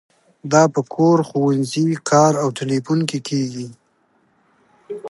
دا په کور، ښوونځي، کار او تیلیفون کې کیږي.